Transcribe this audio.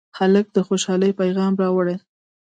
هلک د خوشالۍ پېغام راوړي.